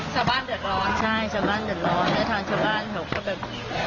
ชาวบ้านเดือดร้อนใช่ชาวบ้านเดือดร้อนแล้วทางชาวบ้านเขาก็แบบ